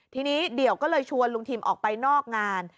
ทีนี้เดี่ยวก็เลยชวนลุงทิมออกไปนอกงาน